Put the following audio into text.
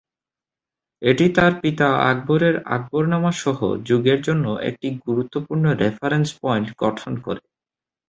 এটি তাঁর পিতা আকবরের "আকবরনামা"সহ যুগের জন্য একটি গুরুত্বপূর্ণ রেফারেন্স পয়েন্ট গঠন করে।